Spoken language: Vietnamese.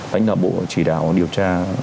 đánh đạo bộ chỉ đạo điều tra